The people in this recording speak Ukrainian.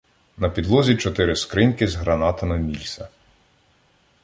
На підлозі — чотири скриньки з гранатами "Мільса".